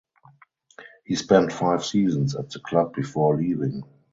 He spent five seasons at the club before leaving.